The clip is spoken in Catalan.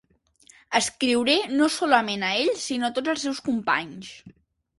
Escriuré no solament a ell sinó a tots els seus companys.